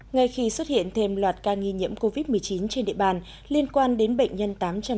ngay khi xuất hiện thêm loạt ca nghi nhiễm covid một mươi chín trên địa bàn liên quan đến bệnh nhân tám trăm sáu mươi